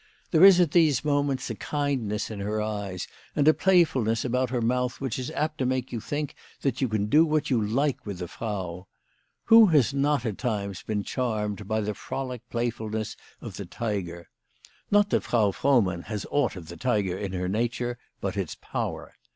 There is at these moments a kindness in her eyes and a play fulness about her mouth which is apt to make you think that you can do what you like with the Frau. Who has not at times been charmed by the frolic play fulness of the tiger ? Not that Frau Frohmann has aught of the tiger in her nature but its power.